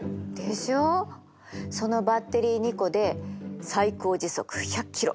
そのバッテリー２個で最高時速１００キロ